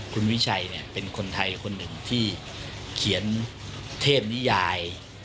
คุณวิชัยเป็นคนไทยคนหนึ่งที่เขียนเทพนิยาย